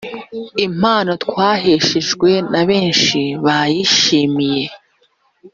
impano twaheshejwe na benshi bayishimire